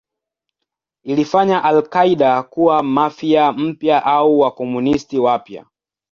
Ilifanya al-Qaeda kuwa Mafia mpya au Wakomunisti wapya.